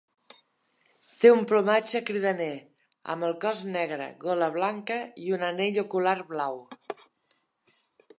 Té un plomatge cridaner amb el cos negre, gola blanca i un anell ocular blau.